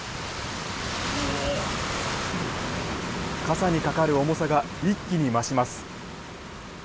傘にかかる重さが一気に増します。